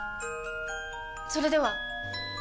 それでは！